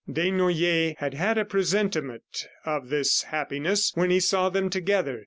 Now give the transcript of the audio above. Desnoyers had had a presentiment of this happiness when he saw them together.